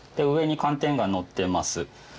上に寒天がのってます。